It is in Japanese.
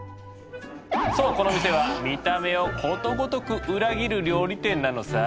そうこの店は「見た目をことごとく裏切る料理店」なのさ。